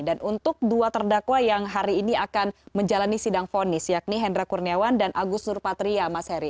dan untuk dua terdakwa yang hari ini akan menjalani sidang fonis yakni hendra kurniawan dan agus nurpatria